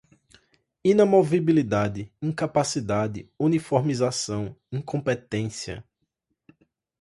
inamovibilidade, incapacidade, uniformização, incompetência